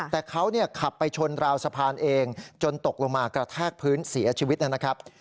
แต่เขาขับไปชนราวสะพานเองจนตกลงมากระแทกพื้นเสียชีวิตนะครับ